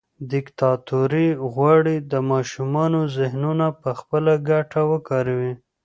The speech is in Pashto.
دیکتاتوري غواړي د ماشومانو ذهنونه پخپله ګټه وکاروي.